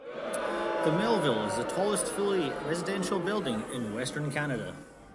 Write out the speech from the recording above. The Melville is the tallest fully residential building in western Canada.